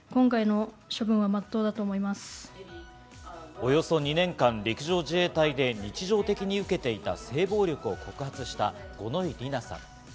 およそ２年間、陸上自衛隊で日常的に受けていた性暴力を告発した五ノ井里奈さん。